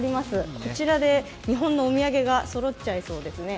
こちらで日本のお土産がそろっちゃいそうですね。